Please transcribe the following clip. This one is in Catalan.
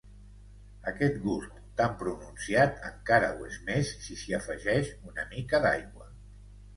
Aquest gust tan pronunciat encara ho és més si s'hi afegeix una mica d'aigua.